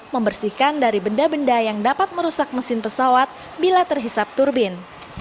membersihkan dari benda benda yang dapat merusak mesin pesawat bila terhisap turbin